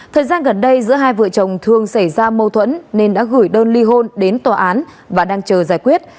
thời gian gần đây giữa hai vợ chồng thường xảy ra mâu thuẫn nên đã gửi đơn ly hôn đến tòa án và đang chờ giải quyết